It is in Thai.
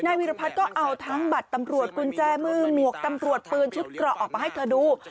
วิรพัฒน์ก็เอาทั้งบัตรตำรวจกุญแจมือหมวกตำรวจปืนชุดเกราะออกมาให้เธอดู